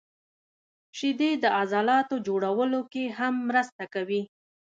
• شیدې د عضلاتو جوړولو کې هم مرسته کوي.